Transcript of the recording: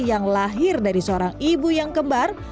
yang lahir dari seorang ibu yang kembar